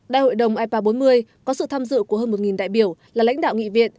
đại hội đồng ipa bốn mươi có sự tham dự của hơn một đại biểu là lãnh đạo nghị viện